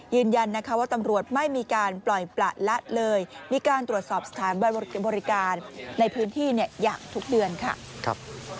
ยืนยันนะคะว่าตำรวจไม่มีการปล่อยประละเลยมีการตรวจสอบสถานบริการในพื้นที่อย่างทุกเดือนค่ะ